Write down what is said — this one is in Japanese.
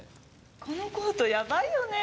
このコートやばいよね。